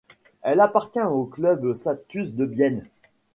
Elle appartient au club Satus de Bienne.